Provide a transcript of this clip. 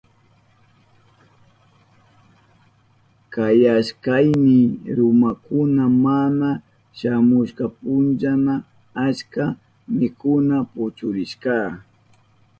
Kayashkayni runakuna mana shamushpankuna achka mikuna puchurishka.